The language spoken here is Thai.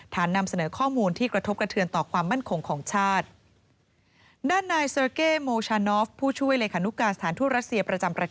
นำเสนอข้อมูลที่กระทบกระเทือนต่อความมั่นคงของชาติ